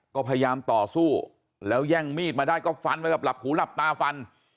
ก็พยายามต่อสู้แล้วแย่งมีดมาได้ก็ฟันไปกับหลับหูหลับตาฟัน